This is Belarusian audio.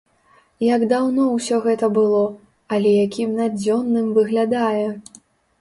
Як даўно ўсё гэта было, але якім надзённым выглядае!